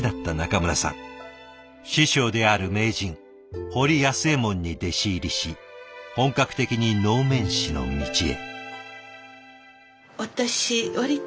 師匠である名人堀安右衛門に弟子入りし本格的に能面師の道へ。